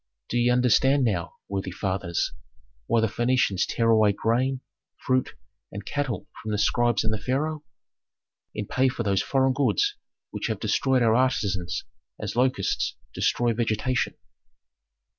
"Do ye understand now, worthy fathers, why the Phœnicians tear away grain, fruit, and cattle from the scribes and the pharaoh? In pay for those foreign goods which have destroyed our artisans as locusts destroy vegetation.